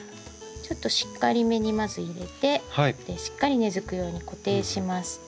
ちょっとしっかりめにまず入れてしっかり根づくように固定します。